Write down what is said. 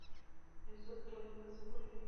ایا ستاسو ډالۍ به ارزښت ولري؟